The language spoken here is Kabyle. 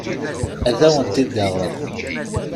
Ad awen-t-id-aɣeɣ.